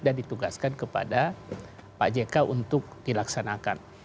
ditugaskan kepada pak jk untuk dilaksanakan